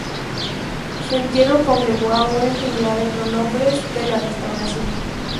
Su entierro congregó a una infinidad de prohombres de la Restauración.